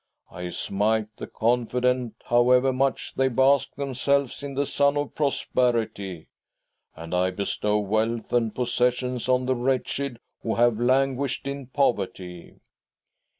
I smite the confident, however much they bask themselves in the sun of prosperity, and I bestow wealth and possessions on the wretched who have languished in poverty."